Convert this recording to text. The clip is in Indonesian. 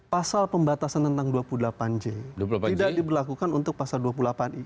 pasal pembatasan tentang dua puluh delapan j tidak diberlakukan untuk pasal dua puluh delapan i